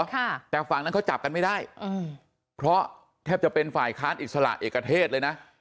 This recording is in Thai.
ค่ะแต่ฝั่งนั้นเขาจับกันไม่ได้อืมเพราะแทบจะเป็นฝ่ายค้านอิสระเอกเทศเลยนะ